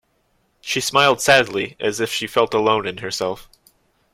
She smiled sadly, as if she felt alone in herself.